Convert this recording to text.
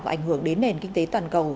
và ảnh hưởng đến nền kinh tế toàn cầu